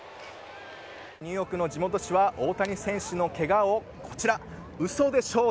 ニューヨークの地元紙は大谷選手のケガをこちら嘘でショー！